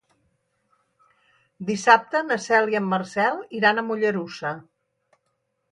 Dissabte na Cel i en Marcel iran a Mollerussa.